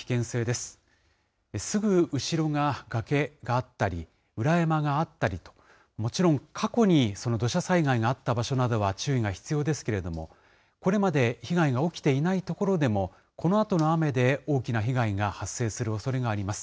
すぐ後ろが崖があったり、裏山があったりと、もちろん、過去に土砂災害があった場所などは注意が必要ですけれども、これまで被害が起きていない所でも、このあとの雨で大きな被害が発生するおそれがあります。